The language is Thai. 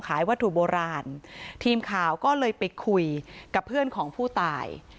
วัตถุโบราณทีมข่าวก็เลยไปคุยกับเพื่อนของผู้ตาย